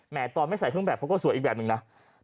ตอนไม่ใส่เครื่องแบบเขาก็สวยอีกแบบหนึ่งนะ